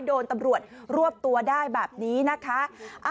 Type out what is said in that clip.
โดนตำรวจรวบตัวได้แบบนี้นะคะ